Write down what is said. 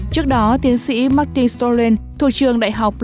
trước đó tiến sĩ martin stolen thuộc trường đại học leipzig